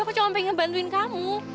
aku cuma pengen bantuin kamu